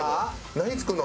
何作るの？